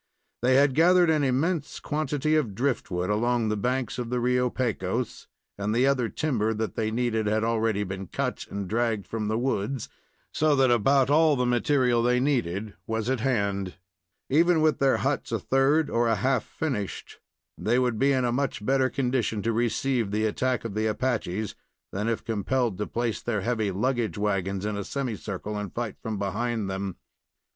They had gathered an immense quantity of driftwood along the banks of the Rio Pecos, and the other timber that they needed had already been cut and dragged from the woods, so that about all the material they needed was at hand. Even with their huts a third or a half finished, they would be in a much better condition to receive the attack of the Apaches than if compelled to place their heavy luggage wagons in a semi circle and fight from behind them.